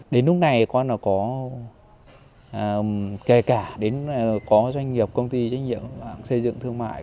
đến lúc này kể cả có doanh nghiệp công ty doanh nghiệp xây dựng thương mại